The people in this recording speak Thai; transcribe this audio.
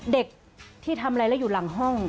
เด็กที่ทำอะไรแล้วอยู่หลังห้อง